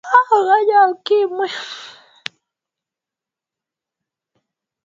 ugonjwa wa ukimwi unazuilika kabisa katika jamii